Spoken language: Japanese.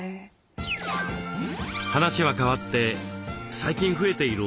話は変わって最近増えている